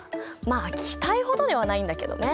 まあ気体ほどではないんだけどね。